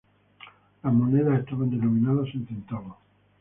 Las monedas estaban denominadas en centavos.